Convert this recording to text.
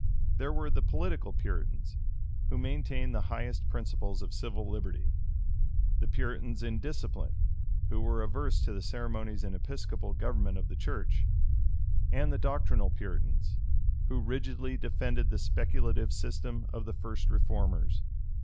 There were the political Puritans, who maintained the highest principles of civil liberty; the Puritans in discipline, who were averse to the ceremonies and Episcopal government of the church; and the doctrinal Puritans, who rigidly defended the speculative system of the first reformers.